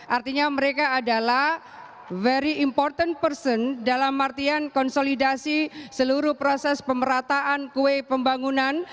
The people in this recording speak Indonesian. artinya mereka adalah very important person dalam artian konsolidasi seluruh proses pemerataan kue pembangunan